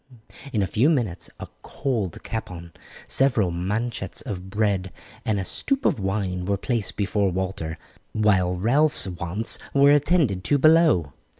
In a few minutes a cold capon, several manchets of bread, and a stoop of wine were placed before Walter, while Ralph's wants were attended to below.